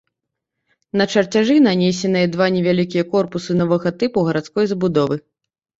На чарцяжы нанесеныя два невялікія корпусы новага тыпу гарадской забудовы.